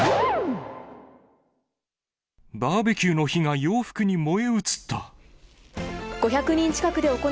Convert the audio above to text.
バーベキューの火が洋服に燃